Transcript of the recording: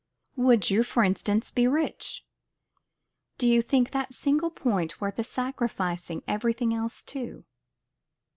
Would you, for instance, be rich: Do you think that single point worth the sacrificing everything else to?